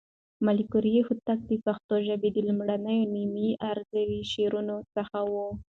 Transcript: ملکیار هوتک د پښتو ژبې د لومړنيو نیم عروضي شاعرانو څخه و.